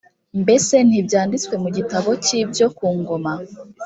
mbese ntibyanditswe mu gitabo cy ibyo ku ngoma